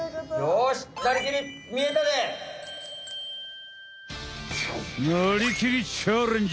よし「なりきり！チャレンジ！」。